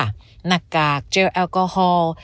หน้ากากเจลแอลกอฮอล์